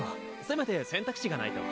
せめて選択肢がないと。